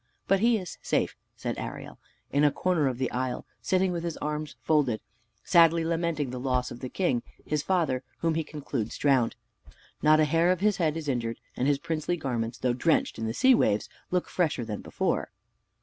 "But he is safe," said Ariel, "in a corner of the isle, sitting with his arms folded, sadly lamenting the loss of the king, his father, whom he concludes drowned. Not a hair of his head is injured, and his princely garments, though drenched in the sea waves, look fresher than before."